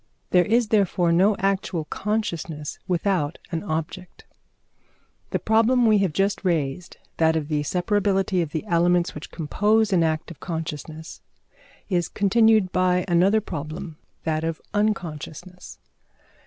There is therefore no actual consciousness without an object. The problem we have just raised, that of the separability of the elements which compose an act of consciousness, is continued by another problem that of unconsciousness.